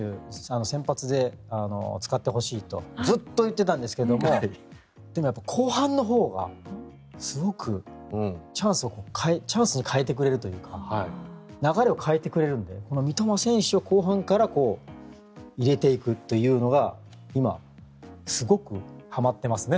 先発で使ってほしいとずっと言ってたんですけどもでもやっぱり後半のほうがすごくチャンスに変えてくれるというか流れを変えてくれるのでこの三笘選手を後半から入れていくというのが今、すごくはまってますね。